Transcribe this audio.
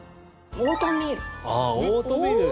オートミール！